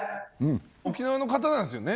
沖縄の方なんですよね？